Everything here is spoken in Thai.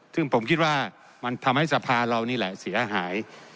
ซึ่งผมคิดว่ามันทำให้สภาเรานี่แหละเสียหาย